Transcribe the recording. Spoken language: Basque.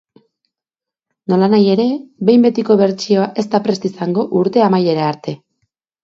Nolanahi ere, behin-betiko bertsioa ez da prest izango urte amaiera arte.